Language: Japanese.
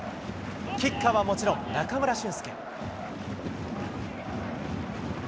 キッカーはもちろん、中村俊輔。